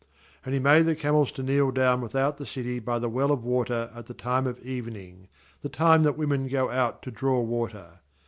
uAnd he made the camels to kneel down without the city by the well of water at the time of evening, the time that women go out to draw water.